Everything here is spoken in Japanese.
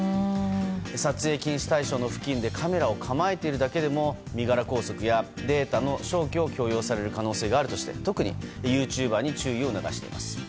撮影禁止対象の付近でカメラを構えているだけでも身柄拘束やデータの消去を強要される可能性があるとして特にユーチューバーに注意を促しています。